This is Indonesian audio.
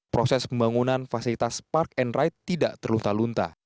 proses pembangunan fasilitas park and ride tidak terlunta lunta